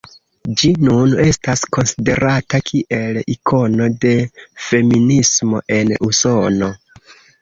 Ĝi nun estas konsiderata kiel ikono de feminismo en Usono.